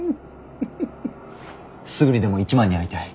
すぐにでも一幡に会いたい。